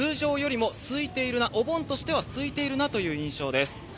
むしろ通常よりも空いているな、お盆としては続いているなという印象です。